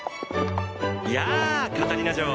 やあカタリナ嬢。